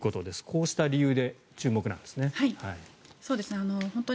こうした理由で注目なんですね。